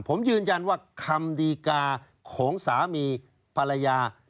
ผมยืนยันว่าคำดีกาของสามีภรรยา